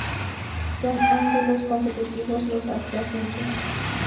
Son ángulos consecutivos los adyacentes.